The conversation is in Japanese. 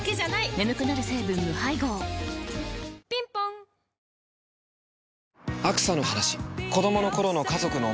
眠くなる成分無配合ぴんぽんあ！